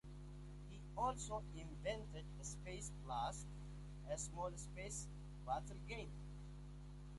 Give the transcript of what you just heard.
He also invented "Space Blast", a small space battle game.